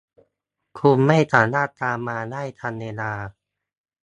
คุณไม่สามารถตามมาได้ทันเวลา